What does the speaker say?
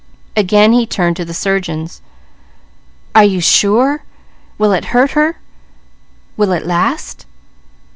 Again he turned to the surgeons. "Are you sure? Will it hurt her? Will it last?"